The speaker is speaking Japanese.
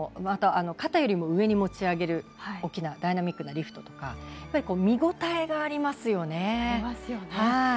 肩よりも上に持ち上げる大きなダイナミックなリフトなど見応えがありますよね。